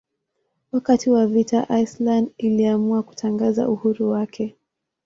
Wakati wa vita Iceland iliamua kutangaza uhuru wake.